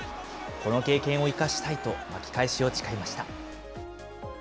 この経験を生かしたいと、巻き返しを誓いました。